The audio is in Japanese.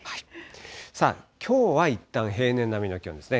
さあ、きょうはいったん平年並みの気温ですね。